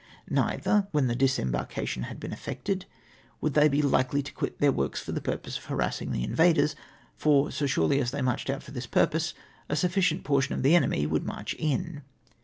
Neither, Avhen the dis embarkation had been effected, woidd they be hkely to quit their works for the purpose of harassing the invaders, for so surely as they marched out for this THESE GREATLY OVEERATED. 243 purpose a siifEcient portion of tlie enemy would march in.